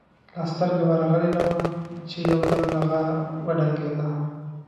لا سترګه ورغلې نه وه چې یو دم نغاره وډنګېده.